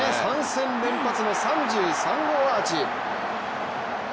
３戦連発の３３号アーチ。